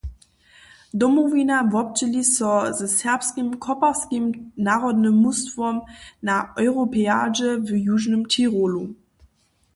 Domowina wobdźěli so ze serbskim koparskim narodnym mustwom na Europeadźe w Južnym Tirolu.